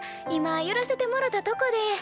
今寄らせてもろたとこで。